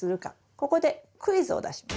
ここでクイズを出します。